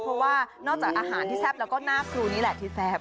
เพราะว่านอกจากอาหารที่แซ่บแล้วก็หน้าครูนี่แหละที่แซ่บ